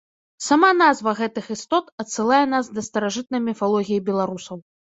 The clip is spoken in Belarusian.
Сама назва гэтых істот адсылае нас да старажытнай міфалогіі беларусаў.